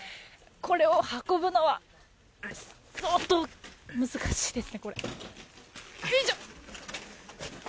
これを運ぶのは相当難しいです。